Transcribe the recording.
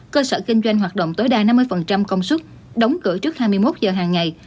cơ sở kinh doanh hoạt động tối đa năm mươi công suất đóng cửa trước hai mươi một giờ hàng ngày